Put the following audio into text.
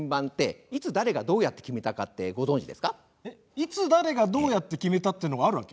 いつ誰がどうやって決めたってのがあるわけ？